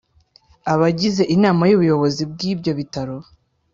Abagize inama y ubuyobozi bw’ibyo bitaro